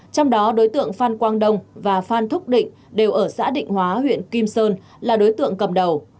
trong đó đối tượng phan quang đông và phan thúc định đều ở xã định hóa huyện kim sơn là đối tượng cầm đầu